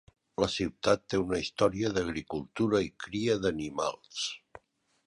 La ciutat té una història d'agricultura i cria d'animals.